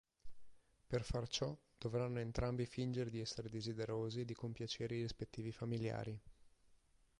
Per far ciò dovranno entrambi fingere di essere desiderosi di compiacere i rispettivi familiari.